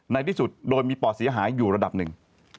ในที่สุดโดยมีปอดเสียหายอยู่ระดับหนึ่ง